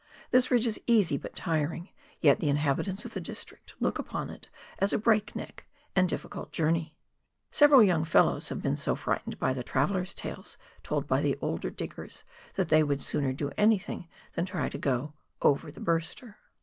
This ridge is easy but tiring, yet the inhabitants of the district look upon it as a breakneck and difficult journey. Several young fellows have been so frightened by the travellers' tales told by the older diggers, that they would sooner do anything than try to " go over the Burster."